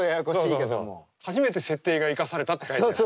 初めて設定が生かされたって書いてある。